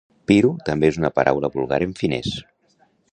"Piru" també és una paraula vulgar en finès.